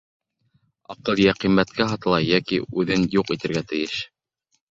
Аҡыл йә ҡиммәткә һатыла йәки үҙен юҡ итергә тейеш.